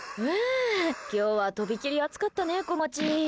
今日はとびきり暑かったね、こまち。